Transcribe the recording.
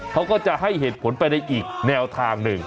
เขาก็จะให้เหตุผลไปในอีกแนวทางหนึ่ง